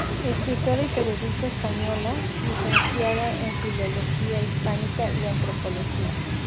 Escritora y periodista española, licenciada en filología hispánica y antropología.